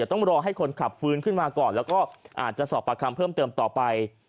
ต้องรอให้คนขับฟื้นขึ้นมาก่อนแล้วก็อาจจะสอบประคำเพิ่มเติมต่อไป